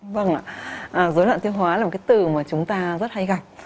vâng ạ dối loạn tiêu hóa là một cái từ mà chúng ta rất hay gặp